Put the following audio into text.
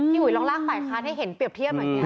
พี่หุยลองลากไปค่ะให้เห็นเปรียบเทียบหน่อยค่ะ